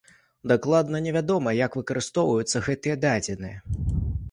Дакладна не вядома, як выкарыстоўваюцца гэтыя дадзеныя.